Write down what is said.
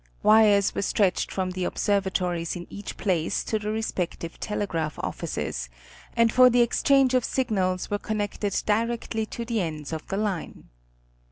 Wires were stretched from the observa tories in each place to the respective telegraph offices, and for 10 National Geographic Magazine. the exchange of signals were connected directly to the ends of the line.